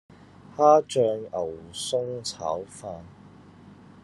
蝦醬牛崧炒飯